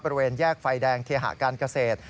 บริเวณแยกไฟแดงเคหาการเกษตร